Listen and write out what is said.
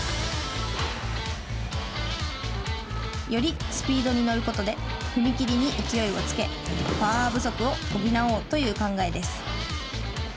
よりスピードに乗ることで踏み切りに勢いをつけパワー不足を補おうという考えです。